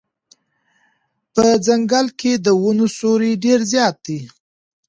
په ځنګل کې د ونو سیوری ډېر زیات دی.